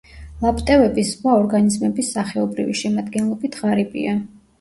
ლაპტევების ზღვა ორგანიზმების სახეობრივი შემადგენლობით ღარიბია.